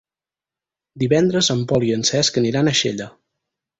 Divendres en Pol i en Cesc aniran a Xella.